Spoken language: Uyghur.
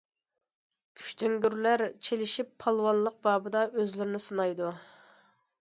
كۈچتۈڭگۈرلەر چېلىشىپ پالۋانلىق بابىدا ئۆزلىرىنى سىنايدۇ.